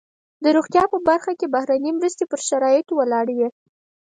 د روغتیا په برخه کې بهرنۍ مرستې پر شرایطو ولاړې وي.